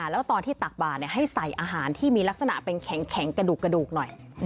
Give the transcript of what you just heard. แล้วตอนที่ตักบาดให้ใส่อาหารที่มีลักษณะเป็นแข็งกระดูกหน่อย